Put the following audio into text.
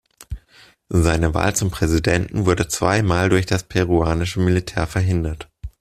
Seine Wahl zum Präsidenten wurde zweimal durch das peruanische Militär verhindert.